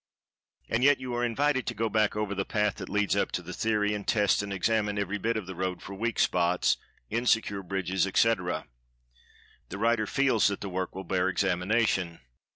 And yet, you are invited to go back over the path that leads up to the theory, and test and examine every bit of the road for weak spots—insecure bridges, etc.—the writer feels that the work will bear examination.